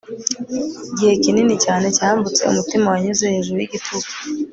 igihe kinini cyane cyambutse umutima wanyuze hejuru yigitugu